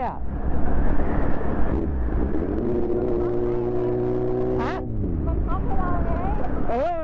ยังใครอ่ะ